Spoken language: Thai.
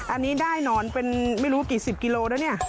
อันนี้ได้หนอนเป็นไม่รู้กี่สิบกิโลแล้วเนี่ย